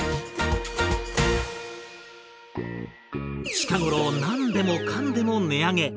近頃何でもかんでも値上げ。